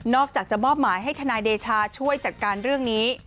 อกจากจะมอบหมายให้ทนายเดชาช่วยจัดการเรื่องนี้